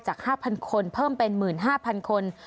๕๐๐คนเพิ่มเป็น๑๕๐๐คน